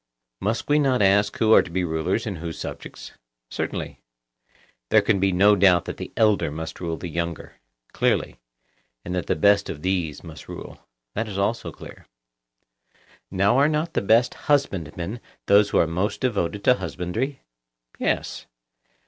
Must we not ask who are to be rulers and who subjects? Certainly. There can be no doubt that the elder must rule the younger. Clearly. And that the best of these must rule. That is also clear. Now, are not the best husbandmen those who are most devoted to husbandry? Yes.